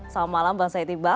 selamat malam bang said iqbal